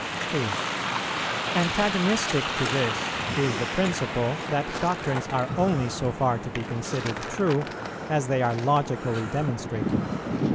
2. Antagonistic to this is the principle that doctrines are only so far to be considered true as they are logically demonstrated.